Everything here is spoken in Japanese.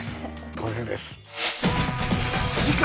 当然です